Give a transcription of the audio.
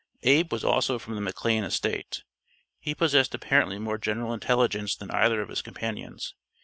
Abe was also from the McLane estate. He possessed apparently more general intelligence than either of his companions.